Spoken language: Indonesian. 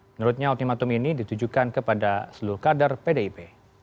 menurutnya ultimatum ini ditujukan kepada seluruh kader pdip